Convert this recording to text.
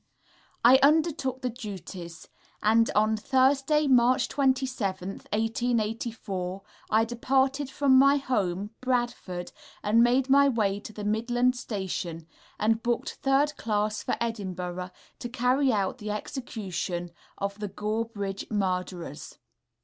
I undertook the duties; and on Thursday, March 27th, 1884, I departed from my home, Bradford, and made my way to the Midland Station, and booked 3rd class for Edinburgh, to carry out the execution of the Gorebridge murderers.